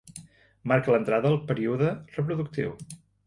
Marca l'entrada al període reproductiu.